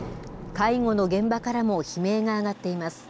介護の現場からも悲鳴が上がっています。